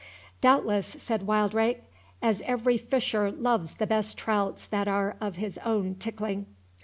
"Doubtless," said Wildrake, "as every fisher loves best the trouts that are of his own tickling."